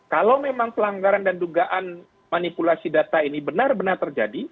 kalau memang pelanggaran dan dugaan manipulasi data ini benar benar terjadi